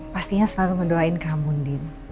pastinya selalu mendoain kamu din